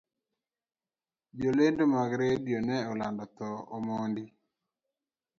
Jolendo mag radio ne olando thoo omondi